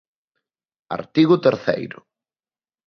Artigo terceiro.